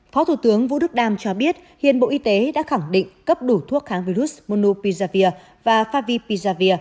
phó thủ tướng vũ đức đam cho biết hiện bộ y tế đã khẳng định cấp đủ thuốc kháng virus monopizavir và favipizavir